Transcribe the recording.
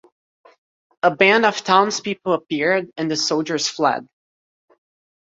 A band of townspeople appeared and the soldiers fled.